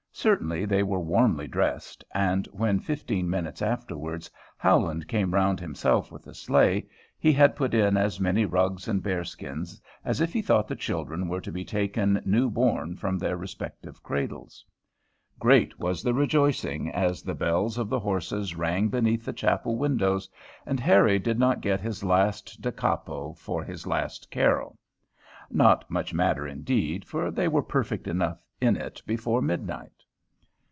Certainly they were warmly dressed, and when, fifteen minutes afterwards, Howland came round himself with the sleigh, he had put in as many rugs and bear skins as if he thought the children were to be taken new born from their respective cradles. Great was the rejoicing as the bells of the horses rang beneath the chapel windows, and Harry did not get his last da capo for his last carol. Not much matter indeed, for they were perfect enough in it before midnight.